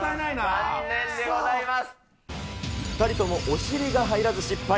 ２人ともお尻が入らず失敗。